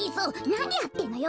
なにやってんのよ。